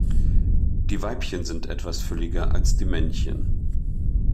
Die Weibchen sind etwas fülliger als die Männchen.